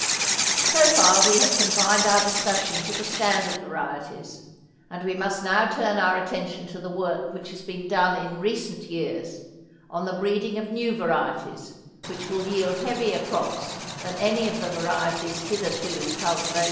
So far we have confined our discussion to the standard varieties, and we must now turn our attention to the work which has been done in recent years on the breeding of new varieties which will yield heavier crops than any of the varieties hitherto in cultivation.